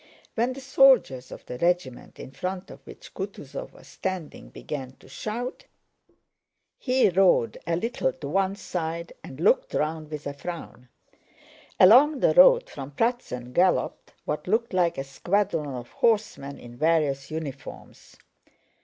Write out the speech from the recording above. When the soldiers of the regiment in front of which Kutúzov was standing began to shout, he rode a little to one side and looked round with a frown. Along the road from Pratzen galloped what looked like a squadron of horsemen in various uniforms.